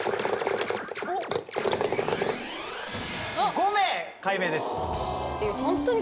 ５名解明です。